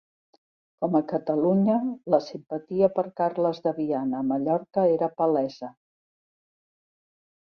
Com a Catalunya, la simpatia per Carles de Viana a Mallorca era palesa.